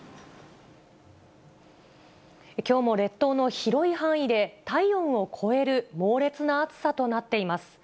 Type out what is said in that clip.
きょうも列島の広い範囲で体温を超える猛烈な暑さとなっています。